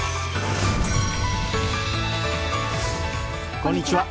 こんにちは。